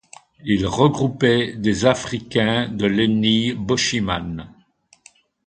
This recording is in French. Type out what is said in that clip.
Il regroupait des africains de l'ethnie Bochiman.